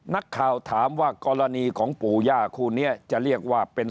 นักข่าวถามว่ากรณีของปู่ย่าคู่นี้จะเรียกว่าเป็น